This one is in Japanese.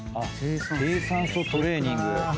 低酸素トレーニング。